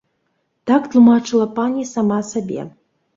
Так тлумачыла пані сама сабе.